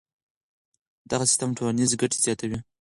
دغه سیستم ټولنیزې ګټې زیاتوي.